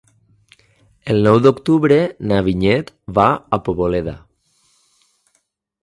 El nou d'octubre na Vinyet va a Poboleda.